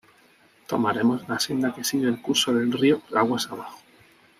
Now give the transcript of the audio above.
Tomaremos la senda que sigue el curso del río aguas abajo.